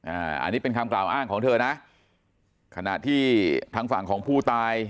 อันนี้เป็นคำกล่าวอ้างของเธอนะขณะที่ทางฝั่งของผู้ตาย